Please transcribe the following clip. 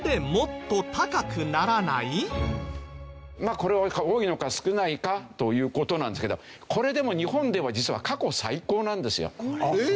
これは多いのか少ないかという事なんですけどこれでも日本では実は過去最高なんですよ。えっ！